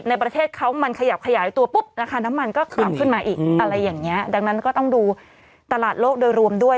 อะไรอย่างนี้ดังนั้นก็ต้องดูตลาดโลกโดยรวมด้วย